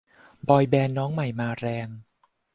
บอยแบนด์น้องใหม่มาแรง